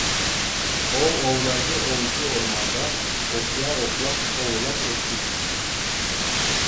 ئوۋ ئويلايدۇ ئوۋچى ئورماندا، ئوقيا ئوقلاپ، ئوۋلاپ ئوتتۇزنى.